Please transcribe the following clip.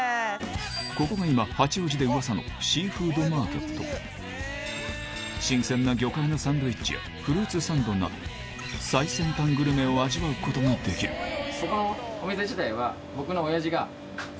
ここが今八王子でうわさの新鮮な魚介のサンドイッチやフルーツサンドなど最先端グルメを味わうことができるえぇ！